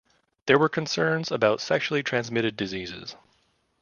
There were concerns about sexually transmitted diseases.